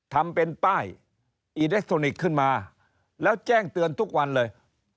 ทำเป็นป้ายอิเล็กทรอนิกส์ขึ้นมาแล้วแจ้งเตือนทุกวันเลย